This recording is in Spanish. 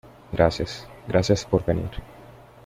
gracias. gracias por venir .